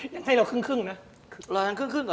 ยังให้เราครึ่งนะ